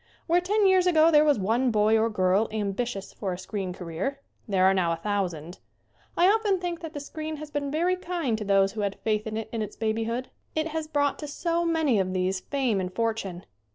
Where ten years ago there was one boy or girl ambitious for a screen career there are now a thousand. I often think that the screen has been very kind to those who had faith in it in its babyhood. It has brought to so many of these fame and fortune.